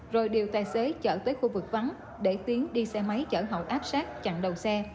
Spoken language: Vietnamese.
rồi điều tài xế chở tới khu vực vắng để tiến đi xe máy chở hậu áp sát chặn đầu xe